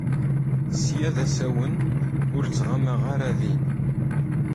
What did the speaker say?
Sya d asawen ur ttɣamaɣ ara din.